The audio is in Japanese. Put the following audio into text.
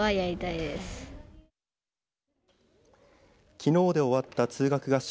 きのうで終わった通学合宿。